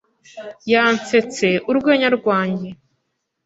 Yansetse urwenya rwanjye.